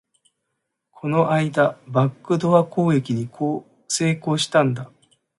この間、バックドア攻撃に成功したんだ